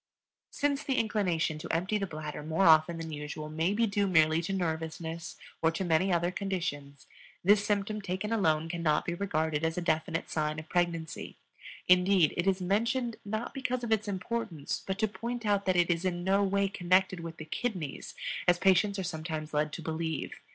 Since the inclination to empty the bladder more often than usual may be due merely to nervousness or to many other conditions, this symptom taken alone cannot be regarded as a definite sign of pregnancy. Indeed, it is mentioned, not because of its importance, but to point out that it is in no way connected with the kidneys, as patients are sometimes led to believe.